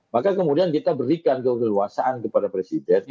maka kemudian kita berikan keleluasaan kepada presiden